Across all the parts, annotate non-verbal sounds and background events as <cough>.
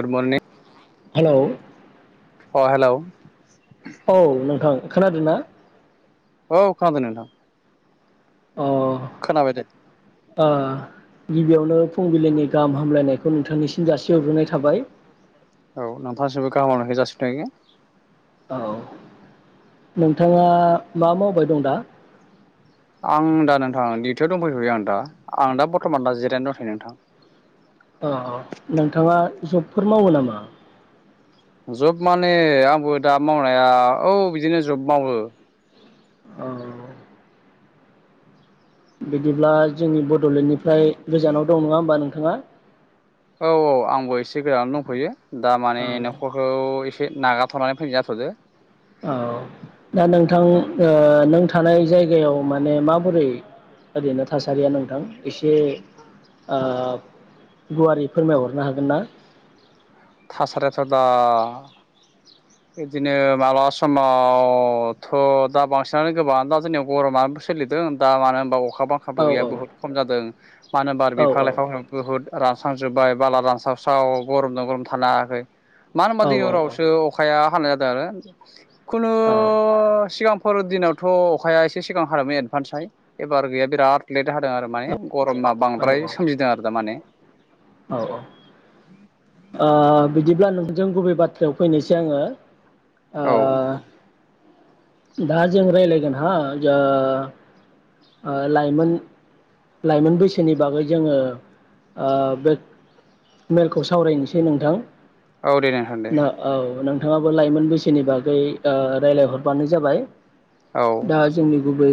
Good morning hello. अ hello. औ नोंथां खोनादों ना। औ खोनादों नोंथां। अ खोनाबाय दे। ओ गिबियावनो फुंबिलिनि गाहाम हामग्लायनायखौ नोंथांनिसिम जासिहरग्रोनाय थाबाय। गाहाम-हामग्लायखौ जासि थायो औ नों बिथाङा मा मावबाय दं। दं-दा। आं दा नोंथां दिउटियाव दंफैयथयो आं दा-आं दा बरथमान दा जिरायना दं थयो नोंथां। औ नोंथांङा जबफोर मावो नामा। जब माने आंबो दा मावनाया औ बिदिनो जब मावो। औ। बिदिब्ला जोंनि बड'लेण्डनिफ्राय गोजानाव दं नङा होमबा नोंथाङा। औ औ आंबो एसे गोजानाव दंफैयो। दा औ माने न'खरखौ ए से नागार थनानै फैनाय जाथ'दों। औ दा नोंथां। ओ नों थानाय जायगायाव माने माबोरै ओरैनो थासारिया नोंथां एसे ओप गुवारै फोरमायहरनो हागोन ना? थासारियाथ' दा इदिनो माब्लाबा समाव थ' दा बांसिनानो गोबां दा जोंनियाव गरमानो सोलिदों दा मानो होनबा अख खा बांखाबो औ गैया औ बहुद खम जादों मानो बार औ बिफां औ लाइफांफाबो बुहुद रानस्रां जोबबाय बाला रानस्रावस्राव गरमजों गरम थानो हायाखै मानो होनबा औ दिनि हरावसो अखाया फाननाय जादो आरो। खुनु सिगां खर' दिनावथ' अखाया एसे सिगां हादोमोन एडभान्सहाय एबार गैया बिराद लेट हादों आरो माने गरमा औ बांद्राय सोमजिदों आरो दा माने। औ ओ बिदिब्ला नोंजों गुबै बाथ्रायाव फैनोसै आङो। ओ औ दा जों रायलायगोन हा जा ओ लाइमोन लाइमोन बैसोनि बागै जोङो ओ बे मेलखौ सावरायनोसै नोंथां। औ दे नोंथां दे न औ नों नोंथाङाबो लाइमोन बैसोनि बागै ओ रायलायहरबानो जाबाय। औ दा जोंनि गुबै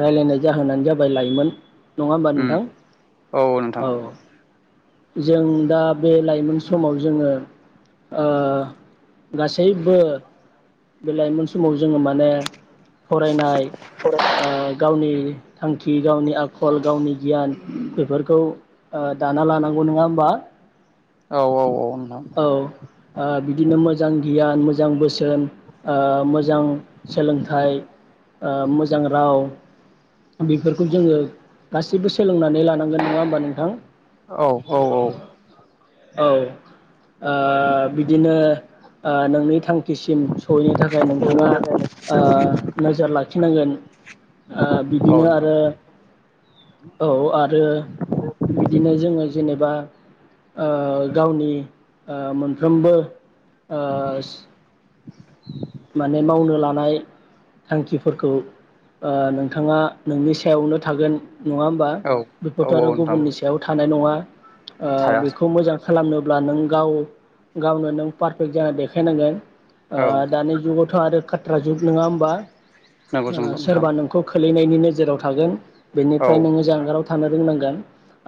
रायलायनाय जाहोनानो जाबाय लाइमोन नङा होमबा उम नोंथां औ नोंथां औ औ। जों दा बे लाइमोन समाव जोङो ओ गासैबो बे लाइमोन समाव जोङो माने फरायनाय ओ गावनि थांखि गावनि आखल गावनि गियान बेफोरखौ ओ दाना लानांगौ नङा होमबा? औ औ औ नोंथां औ ओ बिदिनो मोजां गियान जां बोसोन ओ मोजां सोलोंथाइ ओ मोजां राव बिफोरखौ जोङो गासैबो सोलोंनानै लानांगोन नङा होमबा नोंथां? औ औ औ। औ ओ बिदिनो ओ नोंनि थांख खिसिम सहैनो थाखाय नोंथाङा ओ नोजोर लाखिनांगोन। ओ औ बिदिनो नोंथां आरो औ आरो बिदिनो जोङो जेनेबा गावनि मोनफ्रोमबो ओस <inaudible> माने मावनो लानाय थांखिफोरखौ ओ नोंथाङा नोंनि सायावनो थागोन। नङा होमबा औ औ बेफोरथ आरो नोंथां गुबुननि सायाव थानाय नङा ओ थाया बेखौ मोजां खालामनोब्ला नों गाव गावनो नों पारफेक्ट जाना देखायनांगोन। ओ औ दानि जुगावथ आरो खाट्रा जुग नोङा होमबा। नंगौ जों नोंथां सोरबा नोंखौ खो लैनायनि नोजोराव थागोन बेनिफ्राय औ नोङो जानगाराव थानो रोंनांगोन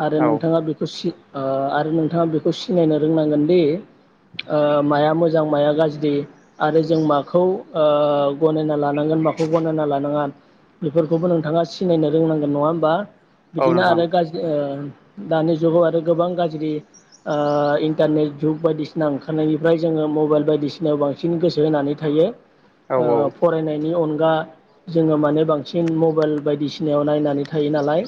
आरो औ नोंथाङा बेखौ सि ओ आरो नोंथाङा बेखौ सिनायनो रोंनांगोन दि ओ माया मो जां माया गाज्रि आरो जों माखौ ओ गनायना लानांगोन माखौ गनायना लानाङा बेफोरखौबो नोंथाङा सिनायनो रोंनांगोन नङा होमबा। औ बिदिनो नोंथां आरो गाज्रि ओ दानि जुगाव आरो गोबां गाज्रि ओ इन्टारनेट जुग बायदिसिना ओंखारनायनिफ्राय जोङो मबाइल बायदिसिनायाव बां सिन गोसो होनानै थायो। औ ओ औ फरायनायनि अन गा जोङो माने बांसिन मबाइल बायदिसिनायाव नायनानै थायो नालाय।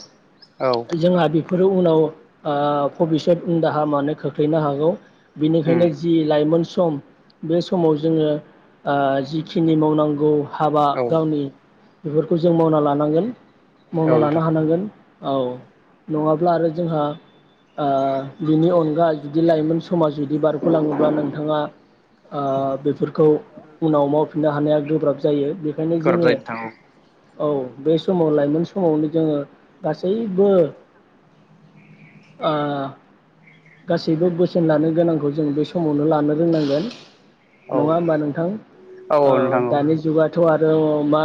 औ जोंहा बेफोर उनाव ओ भबिसत उन दाहा मानो खोख्लैनो हागौ बिनिखायनो उम जि लाइमोन सम बे समाव जोङो ओ जिखिनि मावनांगौ हाबा औ गावनि बेफोरखौ जों मावना लानांगोन। मावना लानो नोंथां हानांगोन। औ नङाब्ला आरो जोंहा ओ बिनि अनगा जुदि लाइमोन समा जुदि बारगलाङोब्ला नोंथाङा ओ बेफोरखौ उनाव मावफिननो हानाया गोब्राब जायो बेखायनो गोब्राब जोङो जायो नोंथां औ बे समाव लाइमोन समावनो जोङो गासैबो ओ गासैबो बोसोन लानो गोनांखौ जों बे समावनो लानो रोंनांगोन। औ नङा होमबा नोंथां औ ओ नोंथां दानि औ जुगा थ आरो मा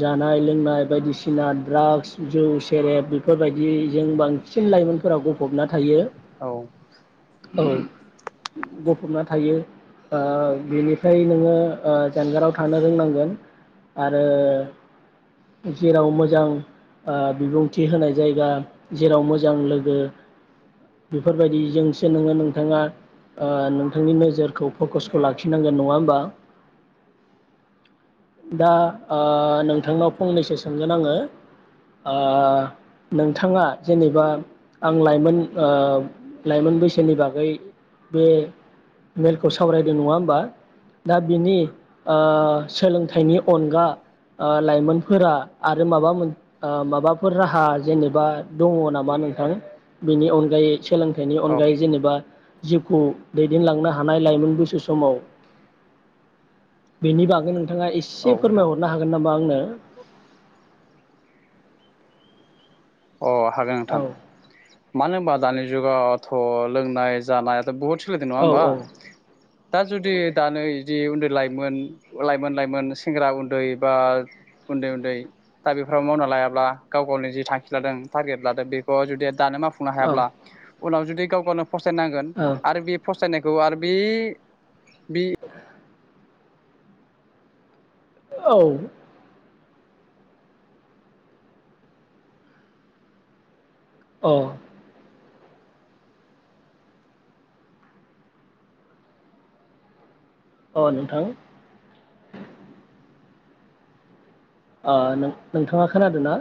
जानाय लोंनाय बायदिसिना दड्राग्स जौ सेरेब बेफोरबायदिजों बांसिन लाइमोनफोरा गफबना थायो। औ ओं गफबना थायो बा बेनिफ्राय नोङो जानगाराव थानो रोंनांगोन आरो जेराव मोजां ओ बिबुंथि होनाय जायगा जेराव मोजां लोगो बेफोरबायदिजोंसो नोङो नोंथाङा ओ नोंथांनि नोजोरखौ फकासखौ लाखिनांगोन नङा होमबा दा ओ नोंथांनाव फंनैसो सोंगोन आङो ओ नोंथाङा जेनेबा आं लाइमोन ओ लाइमोन बैसोनि बागै बे मेलखौ सावरायदों नङा होमबा दा बिनि ओ सोलोंथाइनि अनगा आ लाइमोनफोरा आरो माबा आ माबाफोर राहा जेनेबा दङ नामा नोंथां बिनि अनगायै <unintelligible> थाइनि औ अनगायै जेनेबा जिउखौ दैदेनलांनो हानाय लाइमोन बैसो समाव बेनि बागै नों थाङा एसे नोंथां फोरमायहरनो हागोन नामा आंनो। अ हागोन नोंथां औ मानो हबा दानि जुगावथ लोंनाय जानाय। बभट सोलायदों नङा औ होमबा? औ दा जुदि दानो जि उन्दै लाइमोन लाइमोन लाइमोन सेंग्रा उन्दै बा उन्दै-उन्दै दा बेफोराव मावना लायाब्ला गाव गावनि जि थां खि लादों टारगेट लादों बेखौ जुदि दानो मावफुंनो औ हायाब्ला उनाव जुदि गाव गावन फसायनांगोन आरो बे फसायनाय गौ आरो बे बि औ औ अ नोंथां ओ नोंथाङा खोनादो ना?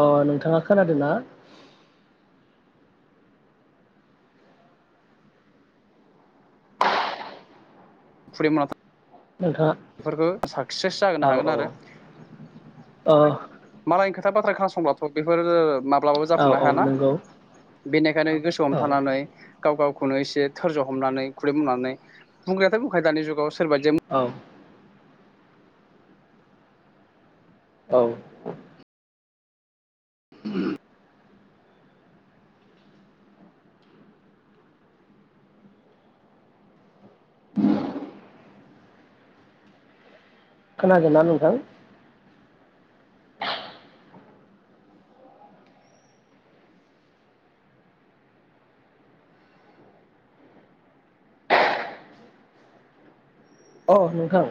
अ नोंथाङा खोनादो ना? <unintelligible> नोंथाङा बेफोरखौ साक्सेस जाहोनो औ हागोन आरो औ अ मालायनि खोथा बाथ फ्रा खोनासंबथ बेफोर माब ब्लाबाबो औ जाफुंनो औ हायाना नंगौ बेनिखायनो गोसो औ हमथानानै गाव गावखौनो एसे धोरज हमनानै खुदै मावनानै बुंग्रायाथ बुंखायो दानि जुगाव सोरबा जोम औ औ उ <inaudible> <inaudible> खोनागोनना नोंथां। अ नोंथां।